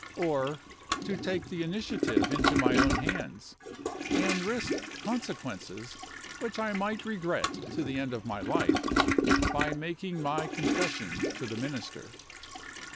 Or to take the initiative into my own hands, and risk consequences which I might regret to the end of my life, by making my confession to the Minister.